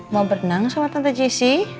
mau berenang sama tante jic